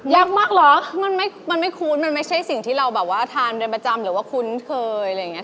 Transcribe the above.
ยากมากเหรอมันไม่คุ้นมันไม่ใช่สิ่งที่เราแบบว่าทานเป็นประจำหรือว่าคุ้นเคยอะไรอย่างนี้